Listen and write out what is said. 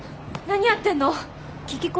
何やってんの？